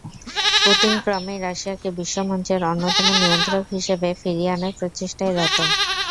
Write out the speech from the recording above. Putin ক্রমেই রাশিয়াকে বিশ্বমঞ্চের অন্যতম নিয়ন্ত্রক হিসেবে ফিরিয়ে আনার প্রচেষ্টায় রত।